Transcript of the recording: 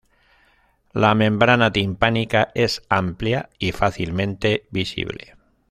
La membrana timpánica es amplia y fácilmente visible.